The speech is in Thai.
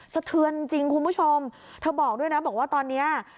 สะเทือนจริงคุณผู้ชมเธอบอกด้วยนะบอกว่าตอนนี้